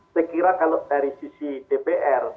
saya kira kalau dari sisi dpr